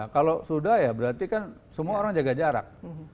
kalau sudah ya berarti kan semua orang jaga jarak